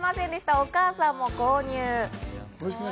お母さんも購入。